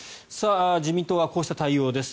自民党はこうした対応です。